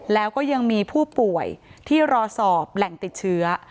แล้วก็ยังมีผู้ป่วยที่รอสอบแหล่งติดเชื้อ